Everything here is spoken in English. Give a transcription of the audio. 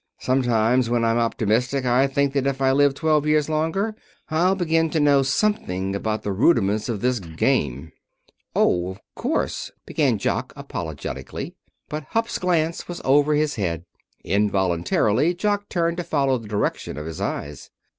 Sometimes, when I'm optimistic, I think that if I live twelve years longer I'll begin to know something about the rudiments of this game." "Oh, of course," began Jock, apologetically. But Hupp's glance was over his head. Involuntarily Jock turned to follow the direction of his eyes.